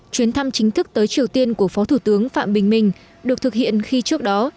chuyến thăm chính thức tới triều tiên của phó thủ tướng phạm bình minh được thực hiện khi trước đó